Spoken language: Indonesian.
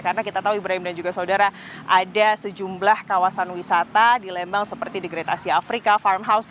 karena kita tahu ibrahim dan juga saudara ada sejumlah kawasan wisata di lembang seperti the great asia africa farmhouse